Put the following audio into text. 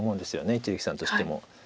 一力さんとしても。